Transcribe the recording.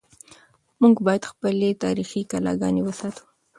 موږ باید خپلې تاریخي کلاګانې وساتو.